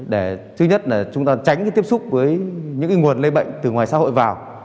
để trước nhất chúng ta tránh tiếp xúc với những nguồn lây bệnh từ ngoài xã hội vào